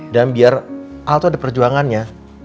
dan biar al tuh ada perjuangannya